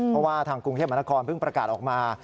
เพราะว่าทางกรุงเทพมหานครเพิ่งประกาศออกมา